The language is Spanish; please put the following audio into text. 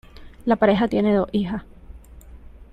La pareja tiene dos hijas.